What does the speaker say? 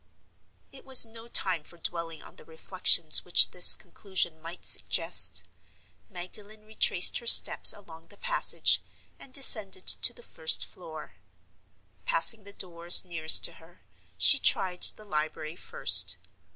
It was no time for dwelling on the reflections which this conclusion might suggest. Magdalen retraced her steps along the passage, and descended to the first floor. Passing the doors nearest to her, she tried the library first.